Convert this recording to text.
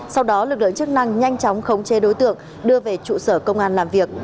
sau đó lực lượng chức năng nhanh chóng khống chế đối tượng đưa về trụ sở công an làm việc